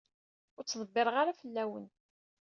Ur ttḍebbiṛeɣ ara fell-awen.